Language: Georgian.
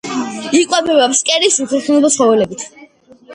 იკვებება ფსკერის უხერხემლო ცხოველებით.